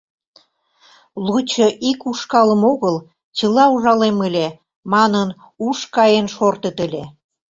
Лучо ик ушкалым огыл, чыла ужалем ыле...» манын, уш каен шортыт ыле...